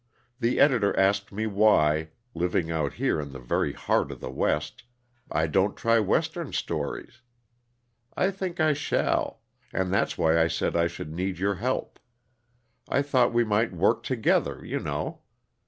The editor asked me why, living out here in the very heart of the West, I don't try Western stories. I think I shall and that's why I said I should need your help. I thought we might work together, you know.